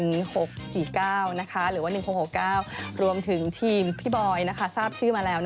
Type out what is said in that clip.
มันก็เลยติดใจโม้มากเลยว่าแบบ